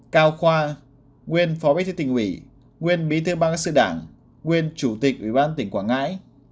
cao khoa nguyên phó bí thư tỉnh ủy nguyên bí thư bang sư đảng nguyên chủ tịch ủy ban tỉnh quảng ngãi